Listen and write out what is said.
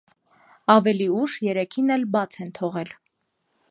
Ավելի ուշ երեքին էլ բաց են թողել։